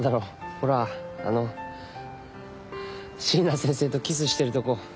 ほらあの椎名先生とキスしてるとこ。